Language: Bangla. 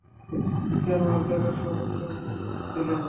কেন ওর জ্যাকেটে সবুজ রং দিলেন?